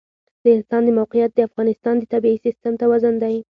د افغانستان د موقعیت د افغانستان د طبعي سیسټم توازن ساتي.